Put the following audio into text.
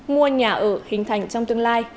mua nhà ở hình thành trong tương lai